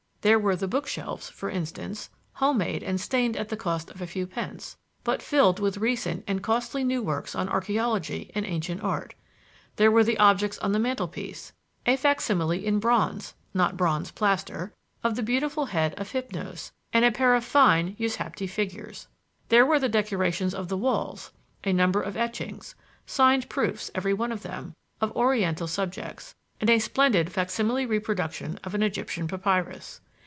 There were the bookshelves, for instance, home made and stained at the cost of a few pence, but filled with recent and costly new works on archeology and ancient art. There were the objects on the mantelpiece: a facsimile in bronze not bronze plaster of the beautiful head of Hypnos and a pair of fine Ushabti figures. There were the decorations of the walls, a number of etchings signed proofs, every one of them of Oriental subjects, and a splendid facsimile reproduction of an Egyptian papyrus.